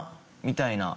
みたいな。